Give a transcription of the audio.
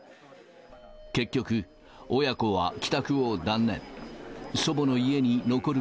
結局、親子は帰宅を断念。